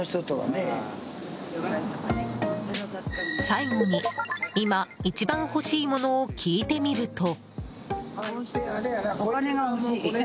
最後に、今一番欲しいものを聞いてみると。